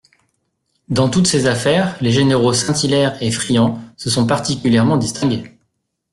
Dans toutes ces affaires les généraux Saint-Hilaire et Friant se sont particulièrement distingués.